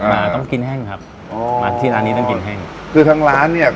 มาต้องกินแห้งครับอ๋อมาที่ร้านนี้ต้องกินแห้งคือทางร้านเนี้ย